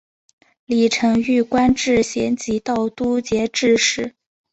李澄玉官至咸吉道都节制使。